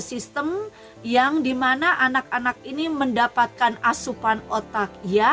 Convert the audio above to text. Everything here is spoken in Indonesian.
ekosistem yang dimana anak anak ini mendapatkan ekosistem yang dimana anak anak ini mendapatkan